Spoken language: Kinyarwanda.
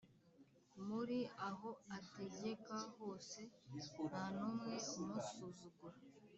Muri aho ategeka hose ntanumwe umusuzugura